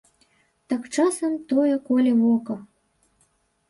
Так, часам тое коле вока.